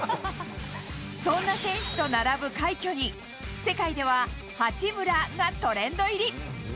そんな選手と並ぶ快挙に、世界ではハチムラがトレンド入り。